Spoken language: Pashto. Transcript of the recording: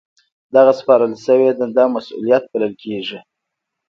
دغه سپارل شوې دنده مسؤلیت بلل کیږي.